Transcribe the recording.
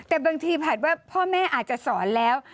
แต่บางทีผัดว่าพ่อแม่อาจจะสอนแล้ว